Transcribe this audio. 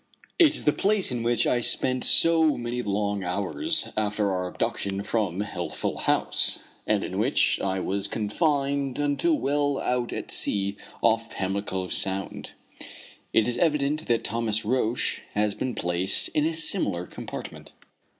It is the place in which I spent so many long hours after our abduction from Healthful House, and in which I was confined until well out at sea off Pamlico Sound. It is evident that Thomas Roch has been placed in a similar compartment.